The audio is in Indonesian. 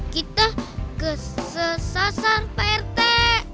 kita kesesasan parete